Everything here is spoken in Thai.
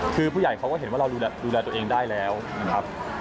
คือผู้ใหญ่เขาก็เห็นว่าเราดูแลตัวเองได้แล้วนะครับ